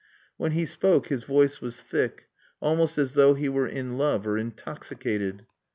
When he spoke his voice was thick, almost as though he were in love or intoxicated.